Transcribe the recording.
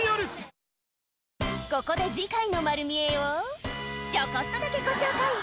ここで次回のまる見え！をちょこっとだけご紹介。